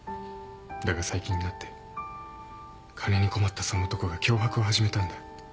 だが最近になって金に困ったその男が脅迫を始めたんだ。